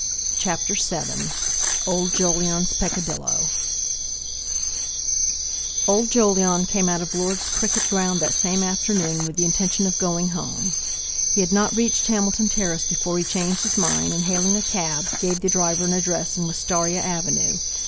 CHAPTER VII OLD JOLYON'S PECCADILLO Old Jolyon came out of Lord's cricket ground that same afternoon with the intention of going home. He had not reached Hamilton Terrace before he changed his mind, and hailing a cab, gave the driver an address in Wistaria Avenue.